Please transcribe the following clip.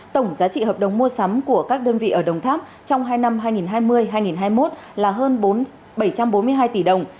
tổng giá trị hợp đồng mua sắm của các đơn vị ở đồng tháp trong hai năm hai nghìn hai mươi hai nghìn hai mươi một là hơn bảy trăm bốn mươi hai tỷ đồng